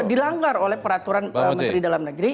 dilanggar oleh peraturan menteri dalam negeri